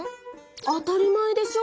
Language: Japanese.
当たり前でしょ！